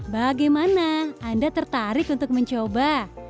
bagaimana anda tertarik untuk mencoba